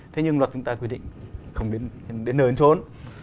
thế nhưng luật chúng ta quy định không đến nơi ấn trốn